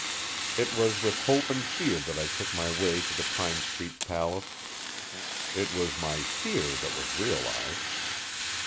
It was with hope and fear that I took my way to the Pine Street palace. It was my fear that was realized.